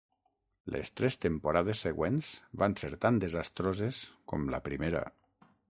Les tres temporades següents van ser tan desastroses com la primera.